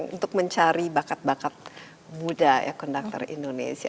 untuk mencari bakat bakat muda ya konduktor indonesia